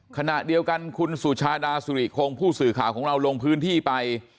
ขณะเดียวกันคุณสุชาดาสุริคงผู้สื่อข่าวของเราลงพื้นที่ไป